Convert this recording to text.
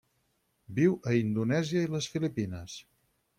Viu a Indonèsia i les Filipines.